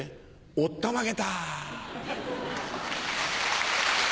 「おったまげた！」。